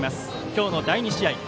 今日の第２試合。